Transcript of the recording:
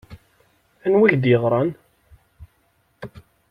Anwi i k-d-yeɣṛan?